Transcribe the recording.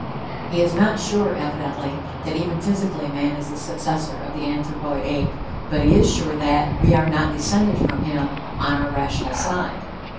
He is not sure, evidently, that even physically man is the successor of the anthropoid ape, but he is sure that "we are not descended from him...on our rational side."